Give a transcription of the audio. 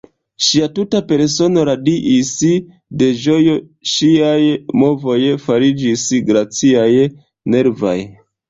Ŝia tuta persono radiis de ĝojo; ŝiaj movoj fariĝis graciaj, nervaj.